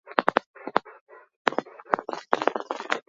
Hazten ari diren arren, oraindik ere gutxi dira zeremonia zibilak.